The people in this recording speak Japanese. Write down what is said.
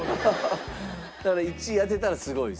だから１位当てたらすごいですよね